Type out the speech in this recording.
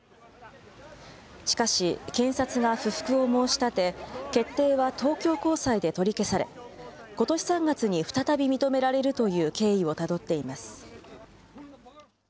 しかし、検察が不服を申し立て、決定は東京高裁で取り消され、ことし３月に再び認められるという経緯をたどっています。